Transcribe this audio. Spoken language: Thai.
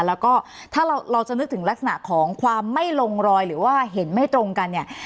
แล้วก็ถ้าเราจะนึกถึงลักษณะของความไม่ลงรอยหรือว่าเห็นไม่ตรงกันเนี่ย